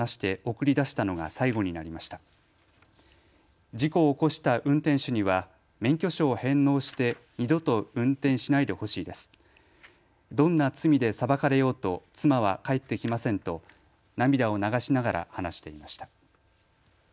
どんな罪で裁かれようと妻は帰ってきませんと涙を流しながら話していました。